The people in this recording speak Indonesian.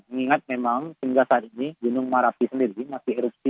mengingat memang hingga saat ini gunung merapi sendiri masih erupsi